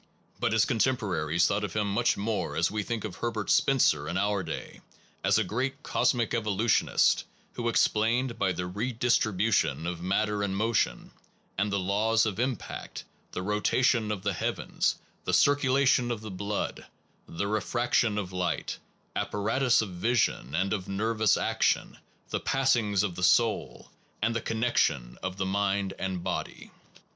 But his contemporaries thought of him much more as we think of Herbert Spencer in our day, as a great cosmic evolutionist, who explained, by the redistri bution of matter and motion, and the laws of impact, the rotations of the heavens, the circu lation of the blood, the refraction of light, ap paratus of vision and of nervous action, the passings of the soul, and the connection of the mind and body.